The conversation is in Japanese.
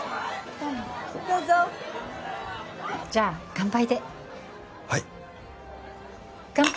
どうもどうぞじゃあ乾杯ではい乾杯！